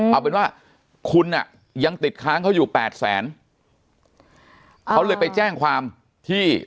เอาเป็นว่าคุณอ่ะยังติดค้างเขาอยู่แปดแสนเขาเลยไปแจ้งความที่